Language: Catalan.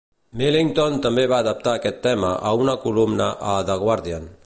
Millington també va adaptar aquest tema a una columna a "The Guardian".